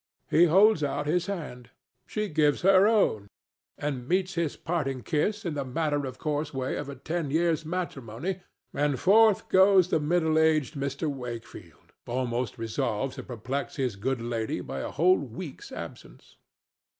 He holds out his hand; she gives her own and meets his parting kiss in the matter of course way of a ten years' matrimony, and forth goes the middle aged Mr. Wakefield, almost resolved to perplex his good lady by a whole week's absence.